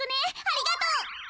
ありがとう。